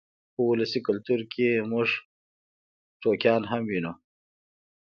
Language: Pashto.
په ولسي کلتور کې موږ ټوکیان هم وینو.